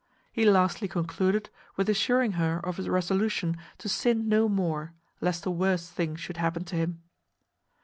He lastly concluded with assuring her of his resolution to sin no more, lest a worse thing should happen to him.